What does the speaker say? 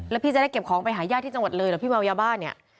แล้วพี่จะได้เก็บของไปหาญาติที่จังหวัดเลยเหรอพี่เมายาบ้าเนี่ย